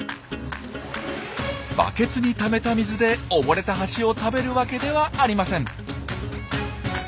バケツにためた水で溺れたハチを食べるわけではありません。